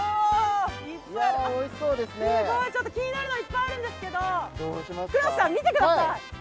気になるのがいっぱいあるんですけど黒瀬さん、見てください。